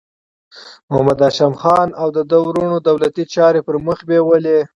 محمد هاشم خان او د ده وروڼو دولتي چارې پر مخ بیولې.